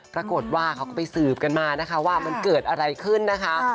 ปรากฏว่าเขาก็ไปสืบกันมานะคะว่ามันเกิดอะไรขึ้นนะคะ